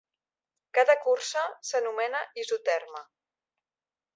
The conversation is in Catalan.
Cada cursa s'anomena isoterma.